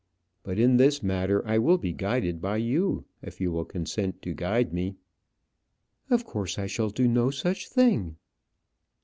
But in this matter I will be guided by you if you will consent to guide me." "Of course I shall do no such thing."